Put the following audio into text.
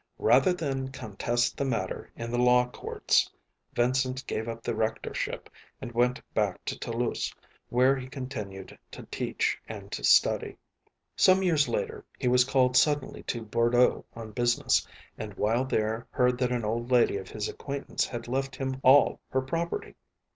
Rather than contest the matter in the law courts Vincent gave up the rectorship and went back to Toulouse, where he continued to teach and to study. Some years later he was called suddenly to Bordeaux on business, and while there heard that an old lady of his acquaintance had left him all her property.